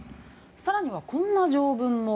更には、こんな条文も。